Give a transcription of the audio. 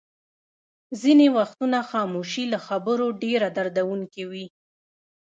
ځینې وختونه خاموشي له خبرو ډېره دردوونکې وي.